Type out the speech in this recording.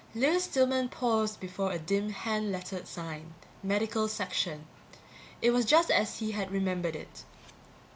Lewis Stillman paused before a dim hand lettered sign: MEDICAL SECTION. It was just as he had remembered it.